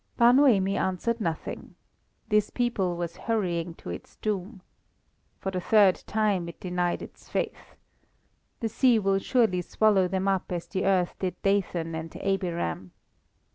Bar Noemi answered nothing. This people was hurrying to its doom. For the third time it denied its faith. The sea will surely swallow them up as the earth did Dathan and Abiram.